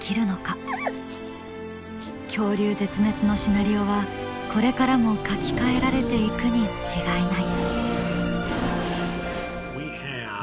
恐竜絶滅のシナリオはこれからも書き換えられていくに違いない。